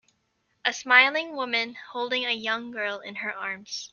A smiling woman holding a young girl in her arms.